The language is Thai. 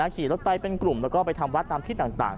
ขี่รถไปเป็นกลุ่มแล้วก็ไปทำวัดตามที่ต่าง